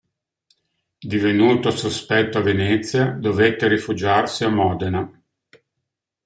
Divenuto sospetto a Venezia, dovette rifugiarsi a Modena.